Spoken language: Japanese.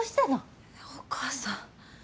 お母さん。